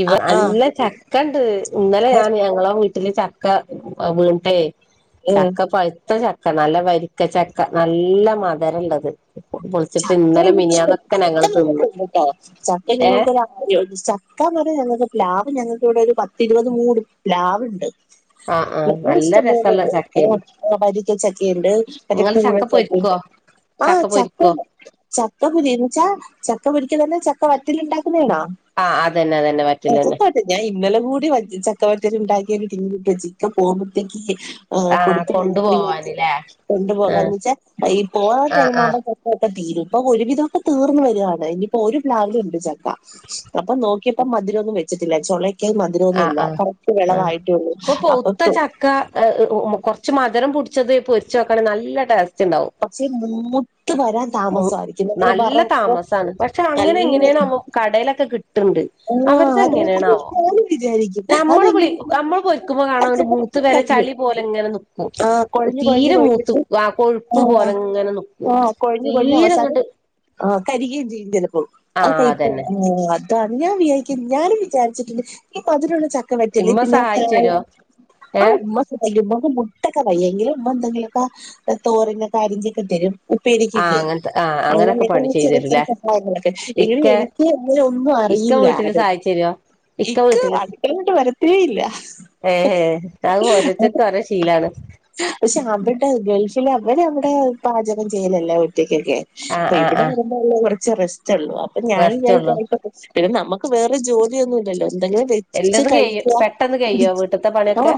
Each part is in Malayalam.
ഇവ ആഹ് അല്ല ചക്കണ്ട് ഇന്നലെ ഞാൻ ഞങ്ങളെ വീട്ടില് ചക്ക വീണ്ടെ ഏഹ് ചക്ക പഴുത്ത ച ചക്ക നല്ല വരിക്കച്ചക്ക നല്ല മധരം ഉള്ളത് [unintelligible] ചക്ക ഞങ്ങള് തിന്ന് ഏ ഞങ്ങൾക്ക പക്കാൻ പറയാ ഞങ്ങൾക്ക് പ്ലാവ് ഞങ്ങൾക്ക ഇവിടെ ഒരു പത്തി ഇരുപത് മൂന്ന് പ്ലാവ് ഉണ്ട് ആ ആ നല്ല രസള്ള ഇഷ്ടംപോലെണ്ട് ചക്കേന്നു വരിക്കച്ചക്കുണ്ട് മറ്റേ നിങ്ങള് ചക്ക കൂഴച്ചക്ക പൊരിക്കോ ആ ചക്ക ചക്ക പുരിച്ചാ ചക്ക പുരിക്ക തന്നെ ചക്ക വറ്റിലുണ്ടാക്ക ണ ആ അതന്നെ അതന്നെ അച്ച വറ്റലന്നെ തട്ട ഞാൻ ഇന്നലെ കൂടി ചക്കവരുത്ത ഉണ്ടാക്കിയ ങ്ങട്ട ചിക്കെ പോകുമ്പോഴത്തേക്ക് ആ കൊടുക്ക കൊണ്ടു പോവാന്ല്ലേ കൊണ്ടു പോകച്ചാ ഈ പോ ആ ആ ടൈം ആ ആവ്പോ തീരും ഇപ്പൊ ഒരുവിധംക്കെ തീർന്ന വരുയാണ് ഇനിയിപ്പോ ഒരു പ്ലാവി ഉണ്ട് ചക്ക അപ്പൊ നോക്കിയപ്പോ അതിലോനൊന്ന വച്ചിട്ടില്ല ചൊള ആ ആഹ് ആ ഉള്ളൂ ഇപ്പൊ പത്ത അപ്പൊ ചക്ക കുറച്ച് മധുരം പൂട്ട ഉച്ചത് പൊരിച്ചു നോക്കണെ നല്ലടാ ടെ ച്ചിണ്ടാവും പക്ഷെ മൂത്ത് വരാൻ ഉമ് താമസമായിരിക്കും നമ്മള് നല്ല വറവ് താമസാണ് പക്ഷെ അങ്ങനെ എങ്ങനെ നല്ല [unintelligible] കടയിലൊക്കെ കിട്ട്ണ്ട് ആ അവര്തെ അത് അത് എങ്ങനെയാണാവോ ഞാനും വിചാരിക്കും നമ്മള് വിളി അതെങ്ങനെ നമ്മൾ പൊരിക്കുമ്പോ കാണാ അത് ചിലപ്പോ മൂത്ത് വര കരിഞ്ഞു ചളി പോലെ ഇങ്ങനെ നി കു ആ കൊഴഞ്ഞു കൊഴഞ്ഞു തീരെ മൂത്ത് കൊഴഞ്ഞിട്ട് ആഹ് കൊഴുപ്പ് ആ പോലെ ഇങ്ങനെ നിക്കും ആ കൊഴഞ്ഞു കൊഴഞ്ഞ് അവസാനം തീരെങ്ങട്ട് ആഹ് കരികയും ചെയ്യും ചിലപ്പോ ആ അതന്നെ കൈപ്പങ്ങട്ട് അ ഞാൻ വി ഞാനും വിചാരിട്ടുണ്ട് ഈ മധുരമുള്ള ചക്ക െ വറ്റലേ ഇമ്മ പിന്നെ സഹായിച്ചു തരോ ആ ഏ ഉ മുട്ടൊക്കക്കെവയ്യെങ്കിലും എന്തെിലൊക്കെ തോരനൊക്കെ അറിഞ്ഞൊക്കെ തരും ആ ഉപ്പേരിക്കൊയ്‌ക്കെ അങ്ങനത്തെ ആ അങ്ങനൊക്കെ അങ്ങനെക്ക പണി ചെയ്തു ചെറിയ ചെറിയ തരൂല്ലേ സഹായങ്ങളൊക്കെ എങ്കിലും ഇക്ക എനിക്ക് അങ്ങനെ ഒന്നും ഇക്ക അറിയില്ല വീട്ടില് ആരട സഹായിച്ചു തരോ ഇക്ക വീട്ടില് ഇക്ക്അടുക്കളയിൽ വരത്തേയില്ല ഏ അത് ഓരോരുത്തർക്കും ഓരോ ശീലാണ് പക്ഷെ അവരുടെ ഗൾഫിൽ അവരവിടെ പാചകം ചെയ്യലല്ലേ ക്കെ ആ അപ്പൊ ആ ഇവിടെ ആ വരുമ്പോേ ഉള്ള കുറച്ച് റസ്റ്റ ഉള്ളു അപ്പൊ ഞാൻ റെസ്റ്റ് ഉള്ളൂ വിചാരിച്ചന്നെ നക്ക് പിന്നെ നമ്മക്ക് വേറ ജോലിയ ഒന്നും ഇല്ലല്ലോ എന്തെങ്കിലും വെച്ച എല്ലതും കഴിയും കഴിക്കആ പെട്ടെന്ന് കുടി കഴിയോ വീട്ടത്തെ പണിയൊക്കെ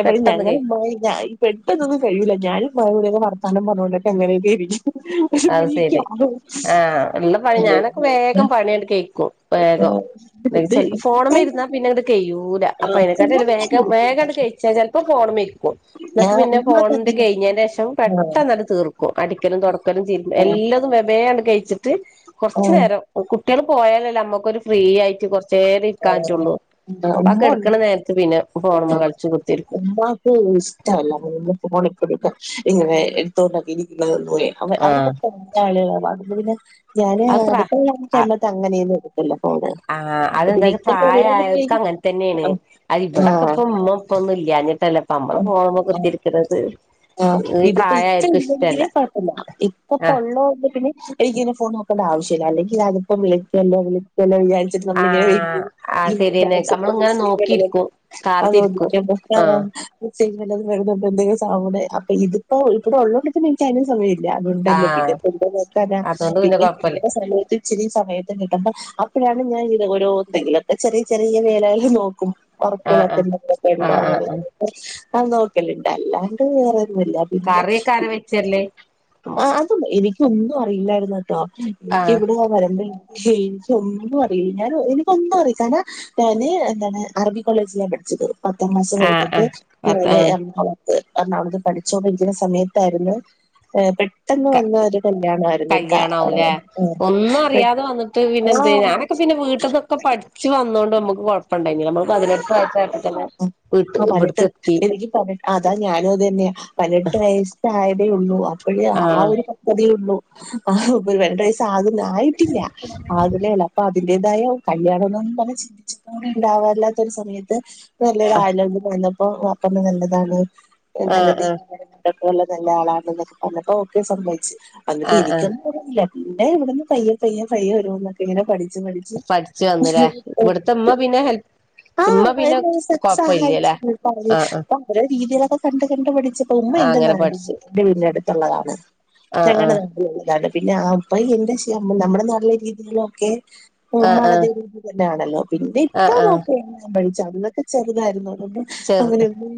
ഇേപളി പെട്ടെന്ന് കഴിയും ഞങ്ങലുണ്ടാ ഞാ പെട്ടൊന്നും കഴിയുള്ള ഞാനും മഴൂര വർത്താനം പറഞ്ഞോൊക്കെ എങ്ങനൊക്കെ ഇരിക്കും പക്ഷെ ആ അത് ഇവരെനിക്ക് ശെരി ആകെ ആഹ് ഉള്ള പണി ഞാനൊക്കെ വേഗം പണി തീർക്കും വേഗംഎന്നു ഇത് വെച്ചാൽ ഫോണമെ ഇരുന്നാ പിന്നെ ഇങ്ങട്ട് കഴിയുല്ല അപ്പൊ അതിനെക്കാട്ട വേഗം വേഗ അങ്ങട്ട് ഇച്ച ചിലപ്പോ ഫോണുമെയ് എന്നിട്ട് പിന്നെ ഉമ്മ ഫോണിണ്ട് തന്നെ കഴിഞ്ഞതിന് ശേഷം ആഹ് പെട്ടെന്നിട്ട് തീർക്കും അടിക്കലും തുട ചെയ ആഹ് എല്ലാതും മെബയണ്ട് കഴിച്ചിട്ട് കുറച്ചു ആഹ് നേരം ക്കു കുട്ടികള് പോയാലല്ലോ നമ്മുക്ക ഒരു ഫ്രീ ആയിട്ട് കുറ ചെറിയ കാറ്റുണ്ട് ആഹ് അപ്പൊ ഉമ്മ കെടുക്കണ ഉണ്ട് നേരത്ത് പിന്നെ ഫോണുമ്മേ ആ കളിച്ചു കുത്തിരിക്കും ഉമ്മാക്ക് ഇഷ്ടമല്ല ഫോണി ഇങ്ങനെ എടുത്തൊണ്ടക്കിയിരിക്ക പോ അവ ആഹ് അവ ആളെ ഞാൻ അത്ര അടുത്തുള്ള അപ്പ കഴുമ്പത്തെ അങ്ങനെയന്നും എടുക്കല്ലോ ആഹ അതെന്തായ ഉള്ളതെങ്കിൽ പ്രായായവർക്ക് അങ്ങനെ തന്നെയാണ് അതി ഇവിടെൊക്കെ ആഹ് ഇപ്പ ഉമ്മഉപ്പാന്നുവില്ല ഞ്ഞിട്ടല്ലേ അപ്പൊ നമ്മള് പോക്പോ കുത്തിരിക്കുന്നത് ആ് ഇതിപ്പോ ഇച്ചാ ഇല്ലെങ്കിനേ കുഴപ്പില്ല ഇപ്പപ്പ ആഹ് ഉള്ള പിന്നെെ എനിക്ക് ഫോൺ നോ ആവശ്യമില്ലല്ലെങ്കിൽ അതിപ്പം വിളിക്കക്കല്ലോ വിളിക്കല്ലോ വിചാരിച്ചി്ട്ട് നമ്മള ഇങ്ങനെ ആഹ് ആഹ് ശരിയന്നെ നമ്മളിങ്ങനെ നോക്കിയിരിക്കും ആ കാത്തിരിക്കും ആഹ് [unintelligible] സേന്മ [unintelligible] അപ്പ ഇത്പ്പോ ഇവിടെ ഒള്ളൊങ്കി പിന്നെഎനിക്ക് അതിനും സമയെക് അതുണ്ടല്ലൊ പിന്നെ ആഹ് പൊക്കാന അതുകൊണ്ട് പിന്നെ കൊഴപ്പല്ല ഇ സ്ഥലത്ത് ഇച്ചിരി സമയത്ത് കിട്ടമ്പ ഇപ്പ ഞാൻ ഇങ്ങനെ ഇത് ഒരോ എന്തെങ്കിലൊക്കെ ചെറിയ ചെറിയ വേലായി് നോക്കും ആഹ് ഒറക്ക്ളെക്കെ ആഹ് എന്തൊക്കെ ഇണ്ടോ ആഹ് ആഹ് അങ്ങനെ ആഹ് നോക്കല്ണ്ട് അല്ലാണ്ട് വേറെ പിന്നെല്ല പിന്നെ കറിയൊക്കെ ആരാ വെച്ചരല് ആഹ് അതും എനിക്ക് ക്ക്യൊന്നും അറിയില്ലായിരുന്ന് കെട്ടൊ എനിക്ക്യ് ആഹ് ഇവടെ വരമ്പ എനിക്ക ഒന്നും അറിയില്ല ഞാൻ എനിക്കൊന്നും അറിയിൽ [unintelligible] [unintelligible] [unintelligible] ഞാന് എന്താണ് അറബി കോളേജിലാണ് പഠിച്ചത് പത്താം ക്ലാസ് ആഹ് കഴിഞ്ഞിട്ട് ആഹ് ഞാന് എറണാകുത്ത് [unintelligible] ഏറണാളത് പഠിക്ക് ചോബിക്കുന്ന സമയത്തായിരുന്നു ഏഹ് പെട്ടെന്ന് ആഹ് വന്ന ഒര് കല്യാണാ യിരുന്ന് കല്യാണാവൂലേ ക്ക [unintelligible] ഹ് ഞാനൊക്കെ പിന്നെ വീട്ട്ന്നൊക്കെ പഠിച്ച് വന്നോണ്ട് ഞമക്ക് ഉം ഉം വീട്ട് ആഹ് പാല് വെട്ട് ഇവിടക്ക് എത്തി എനിക്ക് പ [unintelligible] അതാ ഞാനു അതെന്നെ പൈനെട്ട് വയസ് പ്രായ തെയൊള്ളു അപ്പഴെ ആ ആഹ് ഒരു പക്ക്വതെ യൊള്ളു ആഹ് പൈനട്ട് വയസ് ആവു ആയിട്ടില്ല അതിലേല്ല അപ്പൊ അതിന്റേതായ കല്യാണംന്നും പറ്ഞ ചിന്തിച്ചിട്ടൂടി ഇണ്ടാവാ ഇല്ലാത്തൊരു സമയത്ത് നല്ലൊരു ആലോച്യ വന്നപ്പോ വാപ്പ അത് നല്ലതാണ് ആഹ് നല്ലതീ ആഹ് ചെക്ക [unintelligible] നല്ല ആളാണ്ന്നൊക്കെ പറഞ്ഞപ്പോ ഓക്കെ സമ്മയ്ച്ച് ആഹ് ചിന്തിക്കാ ആഹ് [unintelligible] ന്നും പിന്നെ ഇവിട്ന്ന് പയ്യെ പയ്യെ പയ്യെ വരുമ [unintelligible] എന്നൊക്കെ ഇങ്ങനെ പഠി മടിച്ച് മടിച്ച് പഠിച്ചു വന്നുലേ ഇവിടുത്തെ ഇമ്മ [unintelligible] പിന്നെ ഹെൽപ് ആ ഇമ്മ പിന്നെ സഹായിച്ച കൊഴപ്പല്ല്യല്ലേ ആഹ് ആഹ് രീതിയിലൊക്കെ കണ്ട് കണ്ട്ു പിഠിച്ചച്ച് പോകുമ്പോ ആഹ് എന്റെറെ അങ്ങനെ നാടി പഠിച്ച് എന്റെ വീടി അടുത്തുള്ളതാണ് ആഹ് ആഹ് ചങ്കടനാട്ട ഉള്ളതാണ് പിന്നെ ആ അപ്പ എന്റെമ്മ നമ്മുടെ നാട്ടിലെ രീതിയില് ഒക്കെ ആഹ് മട ആഹ് രീതി തന്നെയാണല്ലോ പിന്നെ ഇപ്പ ആഹ് ആഹ് നോക്കി ഞാൻ പഴിച്ചു അതൊക്കെ ചെറുതായിരുന്നു ചെറു അങ്ങനെയൊന്ന്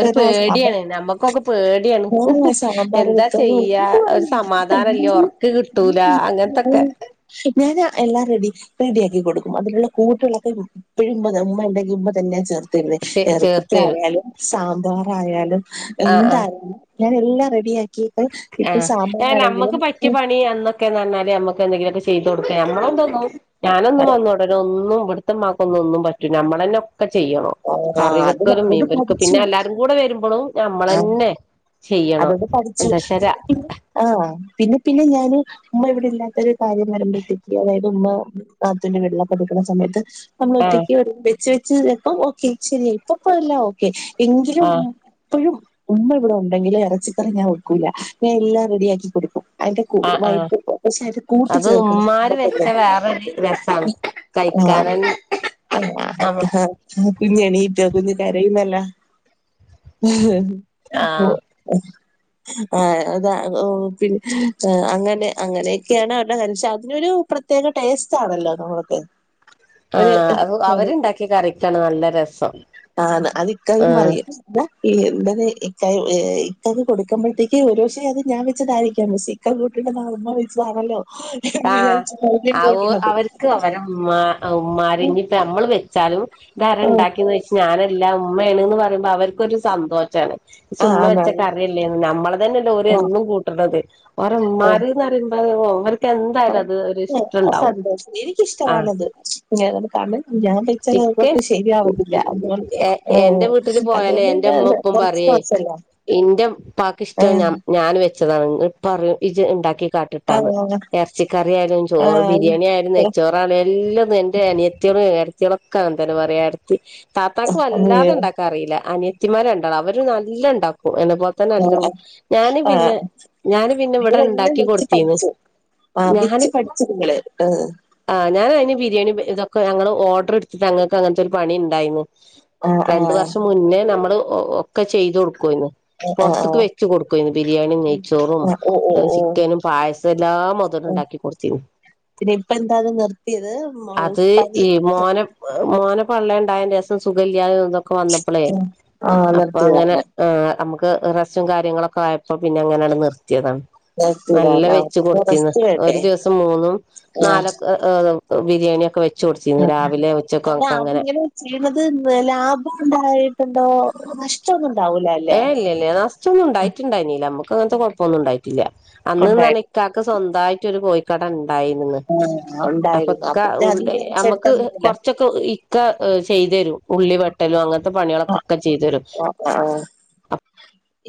ഒരു ആ സാഭ പേടിയാണ് നമ്മക്കൊക്കെ പേടിയാണ് എന്താ ചെയ്യാ ഒരു സമാധാനല്ല ഉറക്ക് കിട്ടൂല അങ്ങനത്തൊക്കെ ആ [unintelligible] ന എല്ലാം റെഡി റെഡി ആക്കി കൊടുക്കും അതിനുള്ള കൂട്ടുകളൊക്കെ കൊടുക്കും ഇപ്പഴും ഉമ്മ ഉണ്ടെങ്കി ഉമ്മ തന്നെ ചേർ ത്തെന്നെ ചേ ചേർത്തരും ഇറച്ചിക്കായാലും സാമ്പാറായാലും ആഹ് എന്തായാലും ഞാൻ എല്ലാം റെഡിയാക്കി ആ നമ്മുക്ക് ഏ പറ്റിയ പണി അന്നൊക്കെ പറഞ്ഞാല് നമ്മക്ക് എന്തെങ്കിലും ഒക്കെ സ് ടിലു [unintelligible] ഞാനൊന്നും വന്ന ഉടന ഒന്നും ഇവിടുത്തമാക്കൊന്നു ഒന്നും പറ്റൂല നമ്മള് തന്നെ ഒക്കെ ചെയ്യണോ ആ അത് കറിവെക്കലും അതോട് മീൻക്ക് പിന്നെ പഠിച്ചു എല്ലാരും കൂടെ വരുമ്പോഴും ഞമ്മള് ആ തന്നെ ചെയ്യണം എന്താ ആ പിന്നെ പിന്നെ ഞ ഉമ്മ ഇവിടെ ഇല്ലാത്തരു കാര്യം വരുമ്പോഴത്തേക്ക് അതായത് ഉമ്മ നാത്തൂൻ്റെ വീട്ടിലൊക്കെ നിൽക്കുന്ന സമയത്ത് നമ്മള് ആഹ് ഒറ്റക്ക് ഒളിപ്പിച്ച് വെച്ച് ഓക്കെ ശെരി ഇപ്പപ്പല്ല ഓക്കെ എങ്കിലും ആഹ് എപ്പോഴും ഉമ്മ ഇവിടെ ഉ ഉണ്ടെങ്കിലെ ഇറച്ചിക്കറി ഞാൻ വെക്കൂല്ല ഞാ എല്ലാം റെഡിയാക്കി കൊടുക്കും അതിന്റെ ആഹ് ആഹ് [unintelligible] പക്ഷെ അതിന്റെ കൂട്ട് അത് ചേർക്കണം ഉമ്മാര് മപൊട്ടല്ലോ വെച്ച വേറൊരു രസാണ് ഈ കഴിക്കാനന്നെ ആഹ് ആ കുഞ്ഞ് എണീറ്റ് കുഞ്ഞ് കരയുന്നല്ല [unintelligible] ആഹ് ആ അത അതോ പിന്നെ അങ്ങനെ അങ്ങനെയൊക്കെയാണ് അവരുടെ കലിഷ അതിനൊരു പ്രത്യേക ടേസ്റ്റ് ആണല്ലോ നമ്മക്ക് ആ അത് അവരുണ്ടാക്കി കറിക്കണം നല്ല രസം ആ അതിക്കാക്ക ആഹ് പറയും [unintelligible] [unintelligible] ഇപ്പത് കൊടുമ്പോഴത്തേക്ക് ഒരു പക്ഷേ അത് ഞാൻ വെച്ചതാരിക്കാ സീക്കൽ കൂട്ടണ്ടതാമ്മ വെച്ചതാണല്ലോ എന്ന് ആ വിചാരിച്ചിട്ടായിരിക്കും കൂട്ടണത് അവർക്ക് അവര ഉമ്മാ ഉമ്മാരി ഇനിയിപ്പോ നമ്മൾ വെ വച്ചാലും ധാരം ആഹ് ഉണ്ടാക്കിയന്ന് വെച്ച ഞാനെല്ലാം ഉമ്മയാണ്ന്ന് പറയുമ്പോ അവർക്കൊരു സന്തോഷമാണ് ആഹ് ചുമ്മാ ആന്നാന്ന് വെച്ചക്കറിയില്ലേ നമ്മളെ തന്നെ ലോരി എന്നും കൂട്ടണത് ഓരമ്മാര്ന്നറി [unintelligible] [unintelligible] ആ സന്തോഷം ആഹ് എനിക്കിഷ്ടമാണത് ഇങ്ങനെ കാണുന്നത് ഞാൻ വച്ച ഇക്ക കെയ്കോട്ട് ശരിയാവത്തില്ല എ അ ഓ എന്റെ വീട്ടില് പോയാല് അതുകൊണ്ട്ന്നെ കുറച്ച് പോസ്റ്റല്ല എന്റെ പാക്ക് ഇഷ്ടം ഞാൻ ഞാൻ വെച്ചതാണ് പറയും ഇത് ഉണ്ടാക്കി കാട്ടിട്ടാന്ന് ആഹ് ഇറച്ചിക്കറി ആയാലും ചോറ് ബിരിയാണി ആലും നെച്ചോറ് ആണേലും എല്ലാം എന്റെ അനിയത്തി കളൊക്കെ അങ്ങനെത്തന്നെ പറയാ ഏടത്തി താത്താക്ക് വല്ലാതെ ഉണ്ടാക്കാ അറിയില്ല അനി തിമാര് രണ്ടാളും അവര് നല്ലണ്ടാവും ക്കും എന്നപ്പോ തന്നെ എല്ലാം ഞാന് ആഹ് പിന്നെ ഞാന് പിന്നെ ഇവിടെ നിങ്ങളെല്ലാം ഇണ്ടാക്കി വെച്ച് കൊടുത്തീന്ന് പഠിച്ചു ആഹ് ഞാൻ വെച്ച് പഠിച്ചു നിങ്ങള് ഏഹ് ആ ഞാന് ബിരിയാണി ഇതൊക്ക ഞങ്ങള് ഓർഡർ എടുത്ത് തങ്ങക്ക് അങ്ങനത്തെ ഒരു പണി ഉണ്ടായിരുന്നു ആഹ് രണ്ടു ആഹ് വർഷം മുന്നേ നമ്മള് ഒക്കെ ചെയ്തു കൊടു കൊന്നു ആഹ് ആഹ് പുറത്ത്ക്ക് വെച്ച് കൊടുകാന്ന് ബിരിയാണി നെയ്ച്ചോറും ആഹ് ഓഹ് ഓഹ് ഓഹ് ചിക്കനും പായസം എല്ലാ ആഹ് മൊതല് ഉണ്ടാക്കി കൊടുത്തിന്നോ പിന്നെ ഇപ്പ എന്താ നിർത്തിയത് മൂ പണി മോനേ പള്ളില് ഉണ്ടായേനേസം സുഖമില്ല ഒക്കെ വന്നപ്പോളേ ആഹ് അപ്പൊ അങ്ങനെ നിർത്തിയതാണ് ആ നമ്മുക്ക് ഉം റെസ്റ്റും കാര്യങ്ങളൊക്കെ ആയപ്പോ പിന്നെ എങ്ങനെയാണ് നിർത്തിയതാണ് നല്ല നിർത്തിയതാണ് വെച്ച പിന്നെ കൊടുത്തിന്ന് റെസ്റ്റ് ഒരു വേണ്ടേ ദിവസം മൂന്നും ആഹ് നാലക്കെ ഏ ബിരിയാണിയൊക്കെ വെച്ച് കൊടുത്തിരുന്നു രാവിലെ അല്ല ഉച്ചക്കൊക്കെ അങ്ങനെ അതിങ്ങനെ ചെയ്യുന്നത് ലാഭം ഉണ്ടായിട്ടുണ്ടോ നഷ്ടം ഒന്നും ഉണ്ടാവോ ഏ ഇല്ലല്ല നഷ്ടം ഒന്നും ഉണ്ടായിട്ടുണ്ടായിനില്ല നമ്മക്ക് അങ്ങനത്തെ കുഴപ്പൊന്നും ഉണ്ടായിട്ടില്ല അന്ന് ഉണ്ടായിരുന്നു നനക്കാക്ക സ്വന്തമായിട്ട്ൊ ഒരു പോയിക്കടൻണ്ട് ായി നി ആ ഉണ്ടായിരുന്നു അപ്പൊക്ക അപ്പൊ പിന്നെ ഉള്ള അതിന്ന് നമുക്ക് കുറച്ചെടുത്താ മതിയല്ലോ കൊറച്ചൊക്കെ ഇക്ക ്തരും ഉള്ളി വെട്ടലും അങ്ങനത്തെ പണികളൊക്കെൊക്കെ ചെയ്തു തരും ആ ആ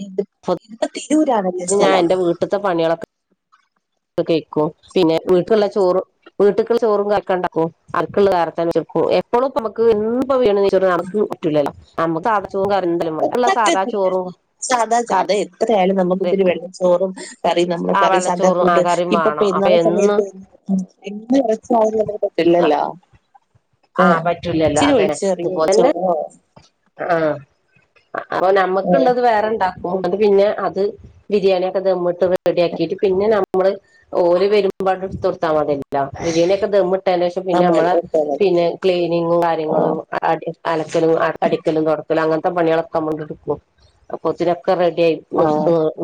ഇത് ഇ ദൂരണത്തെ സ്ഥലം കേക്കും പിന്നെ വീട്ടിലുള്ള ചോറ്ും വീട്ടക്ക ചോറും കേക്കാണ്ടാക്കും ആക്ക ക എപ്പോഴും നമുക്ക് എന്ത വീണച്ച നടക്ക് കുറ്റില്ലല്ലോ നമുക്ക് ചോ കരുന്തലുംണ്ട് ഉള്ള സാധാ ചോറും ആായാലും നമുക്ക് ഇത്തിരി കറിയൊക്കെ വെള്ളം ചോറും കറി നമ്മള് ആ കറി സധ വെള്ളച്ചോറും ആ കൂട്ട് കറിയും ഇപ്പൊ വേണം ഇ അപ്പൊ എന്നും സമയത്ത് എറച്ച ആ പറ്റില്ലല്ലോ ആഹ ആഹ് പറ്റൂലല്ലോ ചിരി അതന്നെ ഒഴിച്ചു അറിയ അതുപോലെ ഒഴിച്ചോ തന്നെ അൊ നമ്മക്ക ആ ഉണ്ടത് വേറെണ്ടാ ത് പിന്നെ അത് ബിരിയാണിയൊക്കെ ദമ്മിട്ട് റെഡിയാക്കിട്ട് പിന്നെ നമ്മള് ഓ വരുമ്പോ ർത്താ മതില്ലചനക്കെ ം ആ പിന്നെ മതി നമ്മള ഓക്കെ മതി പിന്നെ ക്ലീനിങ്ങും ആ കാര്യങ്ങളും അലക്കലും അടിക്കലും തുൊടക്കല്ലും അങ്ങനത്തെ പണികളൊക്കെമ്മണ്ട് എടുക്കും അപ്പൊ ഒത്തിരി കുക്കർ റെഡി ആായി നി ആ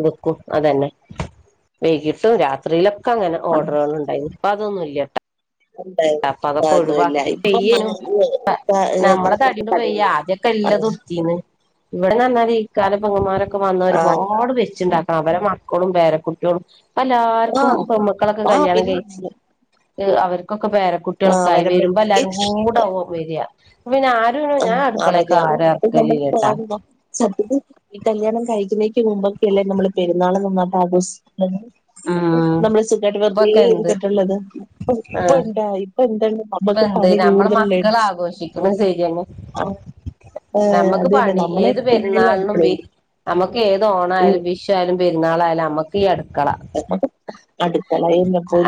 എടുക്കും അതന്നെ വൈകിയിട്ടും രാത്രിയില ഒക്ക അങ്ങെ ഓർഡറുകള ഉണ്ടായി അപ്പ അതൊന്നുമല്ലട്ടോ [unintelligible] ഉ ഇപ്പൊന്നുംല്ല ഇപ്പം ചെയ്യേനു കട ഇതൊക്കെ എല്ലർത്തിീന്ന് ഇവിടെ നന്നൽഈ കാലപങ്ങമാരക്കെ വന്ന ആഹ് ഒരുപാട് വെച്ചുണ്ടാക്കണം അവടെ മക്കളും വേരക്കുട്ടികോടും എല്ലാവർക്കും ആഹ് പെ്മക്കളൊക്കെ ആഹ് കല്യാണം പിന്നെ കഴിച്ചി അവർക്കൊ പേര കുട്ടികളൊക്കെ ആഹ് ആയി വരുമ്പോ എല്ലാരും വരുമ്പോഴത്തേക്ക് കൂടെ വരിക പിന്നെ ആര ഞാൻ അടു അ അപ്പം നമ്മൾ പാട സത്യത്തി ഈ കല്യാണം കഴുന്ന മുമ്പൊക്കെല്ലേ നമ്മള് പെരുന്നാൾ നന്നായിട്ട് ആഘോഷിക്ക ഉം നമ്മ ട്ട് വേ ഇപ്പൊക്കെ എന്ത് ചെയ്തിട്ടുള്ളത് ഇപ്പ ആഹ് ഇണ്ടാ ഇപ്പൊ എന്ത ഇപ്പ എന്ത നമ്മള മക്കൾ ആഘോഷിക്കുന്നു ശരിയെന്ന് അത് നമുക്ക് അത് തന്നെ പണി നമ്മളെ ഏത് ഫുള്ള് പെരുന്നാളിനും അടുക്കളയില് നമ്മുക്ക് ഏത് ഓണായാലും വിഷായാലും പെരുന്നാളായാലും നമ്മുക്ക് ഈ അടു അടുക്കല എന്നല്ല പൊ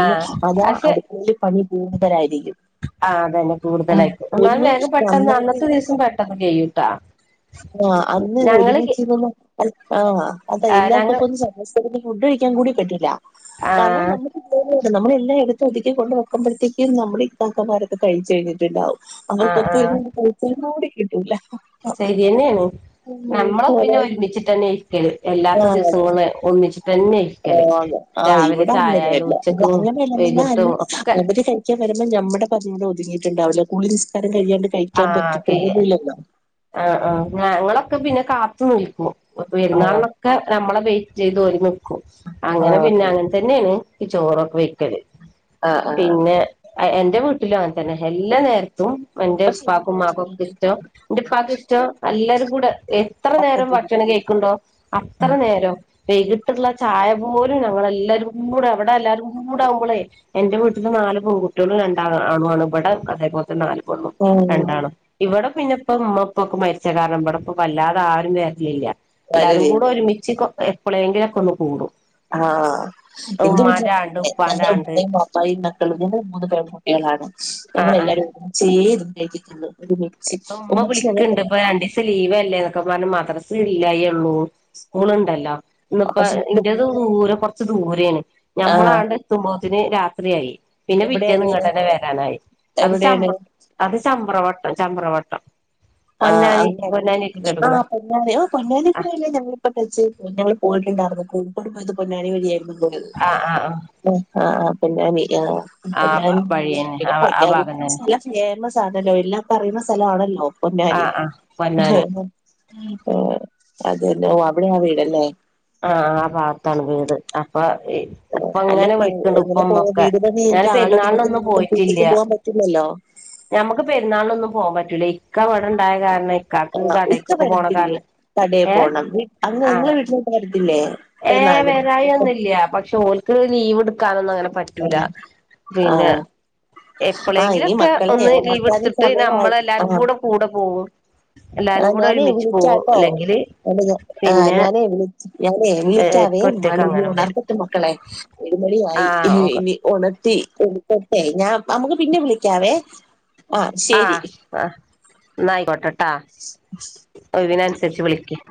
അതാ അടുക്കി പണി കൂടുതലായിരിക്കും ആ അതന്നെ ആഹ് കൂടുതലായിരിക്കും എന്നാും ഒന്ന് വേഗം പെട്ടെന്ന് അന്നത്തെ നന്നായിട്ടിരുന്ന് ദിവസം പെട്ടെന്ന് കേ ട്ട ആഹ് അന്ന് ഒരുമിച്ചച്ച്ന്ന് ആ അതാ ആഹ് ഞങ്ങൾ എല്ലാവർക്കുംൊപ്പ ഒും സംസ് ഫ്ൊഴിക്കാൻ കൂടി കട്ടില്ല കാരണം ആഹ് നമ്മ നമ്മള എല്ലായിടത്തും ഒതുക്കി കൊണ്ട് വെക്കുമ്പോഴത്തേും നമ്മ ഈ കാക്കന്മാൊെ കഴിച്ചു കഴിഞ്ഞട്ടുണ്ടാവും ആഹ് അവർക്കൊപ്പ ഇ കന്നും കൂടി കിട്ടൂല ശൈരിയന നമ്മള ആഹ് പിന്നെ ഒരുമിച്ചിട്ട് തന്നെ ഇരിക്കല് എല്ലാത്ത ദിവസം കൊണ്ട് ഒന്നിച്ചി അതെ ആ് ഇവിടെ ചായായാലും അങ്ങനെല്ല ഉച്ചക്കും അങ്ങനെല്ലെന്നല്ല വൈകിട്ടും അ ഒക്കെ അവര് കഴിക്ക വര നമ്മ പറഞ്ഞൂടെ ഒതുങ്ങിയിുണ്ടാവില്ല കൂി ആക്കേ ആ ആ ഞങ്ങളൊക്കെ പിന്നെ കാത്തു നിൽക്കൂ ആഹ് പെരുന്നാളിനൊക്കെ നമ്മളെ വെയിറ്റ് ചെയ്ത് ഓ നൽക്കും അങ്ങനെ ആഹ് പിന്നെ അങ്ങനെ തന്നെയാണ് ഈ ചോറൊക്കെ വെക്കല് ആഹ ആഹ് ആ എന്റെ വീട്ടില അവൻ തന്നെ എല്ലാ നേരത്തും എന്റെ ഉപ്പാക്ക ഉ്മാക്കും ഒക്കെ പക്ഷെ ഇഷ്ടം ഉിപ്പാക്കക്ക് ഇഷ്ടം എല്ലാവരും കൂടെ എത്ര നേരം ഭക്ഷണം കേൾക്കുന്നുണ്ടോ അത്ര നേരം വൈകിട്ടുള്ള ചായ പോലും ഞങ്ങ എല്ലരും കൂടെ എവിടെ എല്ലാരും കൂ ചൂടാകുമ്പോളേ എന്റെ വീട്ട നാല് പെൺ കുട്ടികളും രണ്ടാ ആൺ ആണ് ഇവിടെ അതേപോലത്തെ നാലും ഉം രണ്ടാളും ഇവടെ പിന്നെപ്പ ഉമ്മപ്പൊക്കെ മരിച്ച കാരണം ഇബടപ്പൊ വല്ലാതെ ആരും വെരലില്ല. എല്ലാരും കൂടെ വരവേല് ഒരുമിച്ച് കൊ എപ്പളേങ്കിലൊക്കൊന്ന് കൂടും. ആഹ് ഇന്റെ വീട്ടില് ഉമ്മാന്റെ ആണ്ട് ഉപ്പാന്റെ ഞങ്ങള് ആണ്ട് ഉമ്മയും പാപ്പായും മക്കളും ഞങ്ങള് മൂന്ന് പെൺകുട്ടികളാണ്. ആ ഞങ്ങളെല്ലാരും ചേയ് ഇരുന്നെഴ്തീട്ടുണ്ട്. ഇപ്പൊമ്മ വിളിക്കണ്ട് ഇപ്പൊ രണ്ടീസം ലീവല്ലേ പ്പൊമ്മറഞ്ഞു മദ്റസില്ലായൊള്ളൂ സ്കൂള്ണ്ടല്ലോ ഇന്ന്പ്പാ ഇന്റത്ഊര കൊറച്ച് ദൂരേണ്. ആഹ് ഞമ്മളാണ്ടെത്തുമ്പോത്തിന് രാ ത്രിയായി പിന്നെ പിറ്റേന്ന് എവിടെയാണ് ഇങ്ങട്ടന്നെ വരാനായി അത് എവിടെയാണ് ചമ്പ്ര അത് ചമ്പ്രവ ചമ്പ്രവട്ടം പൊന്നാനി പൊന്നാനി ആ പൊന്നാനി ആ പൊന്നാനിെക്കൂടെയല്ലേ ഞങ്ങളിപ്പ ടച്ചീത് ഞങ്ങള് പോയിട്ടുണ്ടാർന്നു. കോഴിക്കോട് പോയത് പൊന്നാനി വഴിയായിരുന്നു പോയത്. ആ ആ ആ ആ ആ പൊന്നാനി യാ അം ആ ആ പൊന്നാനി വഴിയന്നെ പിന്നെ ആ ആ ഭാഗം പൊന്നാനിന്നറഞ്ഞ തന്നെ സ്ഥലം ഫേമസ് സാതല്ലോ എല്ലാർക്കുംഅറിയ്ണ സ്ഥലാണല്ലോ ആ പൊന്നാനി ആ പൊന്നാനി എഹ് ഏഹ് അതേല്ലെ ഓ അവിടെയാ വീടല്ലേ ആഹ് ആ ഭാഗത്താണ് വീട് അപ്പൊ ഇ അല്ല ഇപ്പങ്ങനെ ഇപ്പ വിളിക്ക്ണ്ട് എങ്ങനെ പോവാ ഉപ്പമ്മൊക്കെ വീട് പണി കഴിഞ്ഞ ഞാന് ആളുണ്ടെങ്കിൽ പെരുന്നാളിനൊന്നും നിങ്ങക്ക് പോയിട്ടില്ല. വീട്ടിക്ക് പോവാൻ പറ്റില്ലല്ലോ ഞമ്മക്ക് പെരുന്നാളിനൊന്നും പോവാൻ പറ്റൂല്ല ഇക്ക ഇവിടെണ്ടായ കാരണേ ആഹ് ഇക്ക വരത്തില്ലേ കടയിൽ ഏ പോണം അങ്ങ് ആ ഇങ്ങളെ വീട്ടിലിക്ക വരത്തില്ലേ? പെരുന്നാ ഏ വരായൊന്നൂല്ല പക്ഷെ ഓൽക്ക് ലീവ്ട് ക്കാനൊന്നും അങ്ങനെ പറ്റൂല ആഹ് പിന്നെ ആഹ് ആഹ് ഇനി എപ്പളേങ്കിലൊക്കെ മക്കളെ ഒന്ന് ഒണർത്താനും ലീവ്ടുത്തിട്ട് സമയായി നമ്മളെല്ലാരും ആഹ് കൂടെ കൂടെ പോവ്കും എല്ലാരും ആഹ് കൂടെ ഞാനേ ഒരുമിച്ച് പോകും വിളിക്കാട്ടോ അല്ലെങ്കില് ആഹ് പിന്നെ ഞാനേ വിളിച്ച് ഞാനേ വിളിക്കാവേ ഇക്ക ഒറ്റക്ക് മണിഇനി അങ്ങനെ വരും ഉണർത്തട്ടെ മക്കളെ ഒരു ആ മണിയായി ഇഹ് ഓക്കെ ഈ ഉണർ [unintelligible] ഞാൻ നമുക്ക് പിന്നെ വിളിക്കാവേ. ആഹ് ആഹ് ന്നായിക്കോട്ടട്ടാ ഒയിവിനനുസരിച്ച് വിളിക്കിം